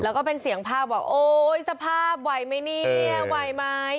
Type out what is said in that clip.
แล้วก็เป็นเสียงภาพบอกโอ๊ยสภาพไหวไหมเนี่ยไหวไหม